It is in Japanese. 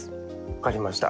分かりました。